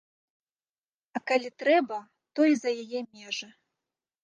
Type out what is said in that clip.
А калі трэба, то і за яе межы.